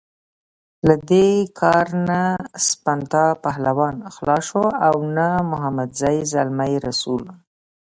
له دې کار نه سپنتا پهلوان خلاص شو او نه محمدزی زلمی رسول.